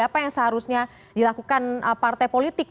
apa yang seharusnya dilakukan partai politik